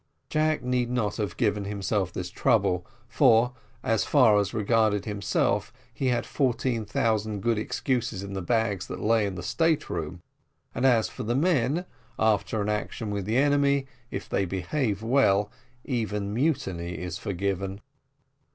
Jack need not have given himself this trouble, for, as far as regarded himself, he had fourteen thousand good excuses in the bags which lay in the state room; and as for the men, after an action with the enemy, if they behave well, even mutiny is forgiven.